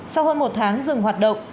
sau hơn một tháng dừng hoạt động